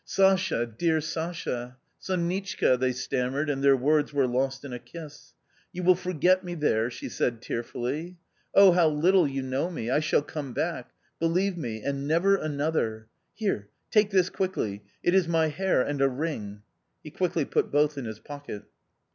"Sasha, dear Sasha!" " Sonitchka !" they stammered, and their words were lost in a kiss. " You will forget me there ?" she said tearfully. " Oh, how little you know me ! I shall come back ; believe me, and never another "" Here take this quickly ; it is my hair and a ring." He quickly put both in his pocket.